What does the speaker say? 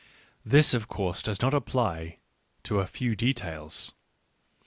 This of course does not apply to a few details.